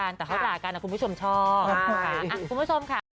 นะคะคุณผู้ชมค่ะ